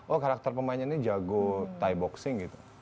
oh karakter pemainnya ini jago ty boxing gitu